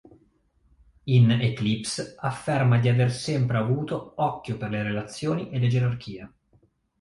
In "Eclipse" afferma di aver sempre avuto occhio per le relazioni e le gerarchie.